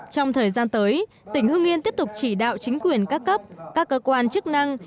trong thời gian tới tỉnh hương yên tiếp tục chỉ đạo chính quyền các cấp các cơ quan chức năng